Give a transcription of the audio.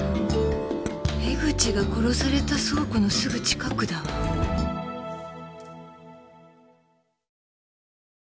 江口が殺された倉庫のすぐ近くだわ。